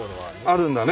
あるんだね。